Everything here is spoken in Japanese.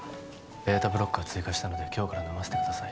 ベータブロッカー追加したので今日から飲ませてください